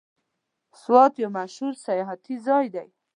سوات یو مشهور سیاحتي ځای دی.